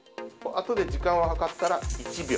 あとで時間を計ったら１秒。